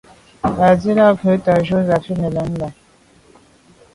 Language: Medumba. Mbàzīlā rə̌ tà' jú zə̄ fít nə̀ zí'’ə́ lɛ̂n.